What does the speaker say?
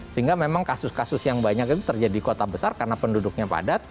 sehingga memang kasus kasus yang banyak itu terjadi di kota besar karena penduduknya padat